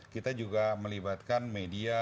kita juga melibatkan media